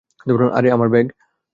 আরে, আমার ব্যাগ!